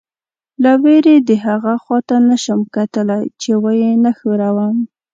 زه له وېرې دهغه خوا ته نه شم کتلی چې ویې نه ښوروم.